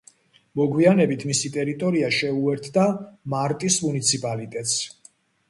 მოგვიანებით მისი ტერიტორია შეუერთდა მარტის მუნიციპალიტეტს.